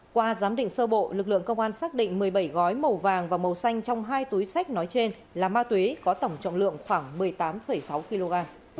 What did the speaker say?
qua giám định sơ bộ lực lượng công an xác định một mươi bảy gói màu vàng và màu xanh trong hai túi sách nói trên là ma túy có tổng trọng lượng khoảng một mươi tám sáu kg